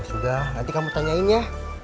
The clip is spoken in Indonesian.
sudah nanti kamu tanyain ya